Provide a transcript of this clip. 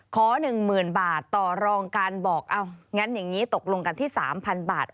๑๐๐๐บาทต่อรองการบอกอ้าวงั้นอย่างนี้ตกลงกันที่๓๐๐บาท